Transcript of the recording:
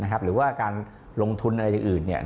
หรือว่าการลงทุนอะไรอย่างอื่น